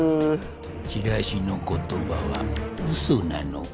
チラシの言葉はうそなのか？